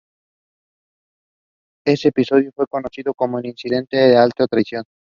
Ese episodio fue conocido como "El Incidente de Alta Traición".